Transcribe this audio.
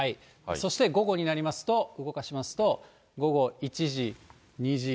そして午後になりますと、動かしますと、午後１時、２時、３時、４時、５時、